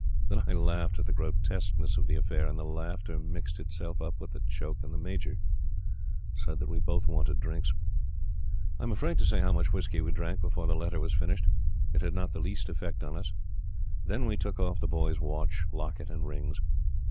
Then I laughed at the grotesqueness of the affair, and the laughter mixed itself up with the choke and the Major said that we both wanted drinks. I am afraid to say how much whiskey we drank before the letter was finished. It had not the least effect on us. Then we took off The Boy's watch, locket, and rings.